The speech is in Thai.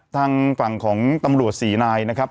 ทางฝั่งของตำรวจ๔นายนะครับ